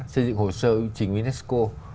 xây dựng hồ sơ ưu trình unesco